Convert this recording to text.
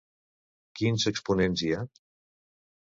Quins exponents hi ha?